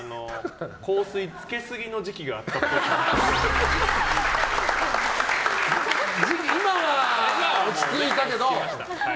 香水つけすぎの時期が今は落ち着いたけど。